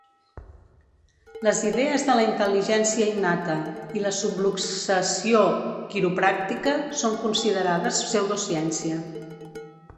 Les idees de la intel·ligència innata i la subluxació quiropràctica són considerades pseudociència.